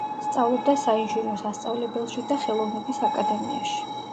სწავლობდა საინჟინრო სასწავლებელში და ხელოვნების აკადემიაში.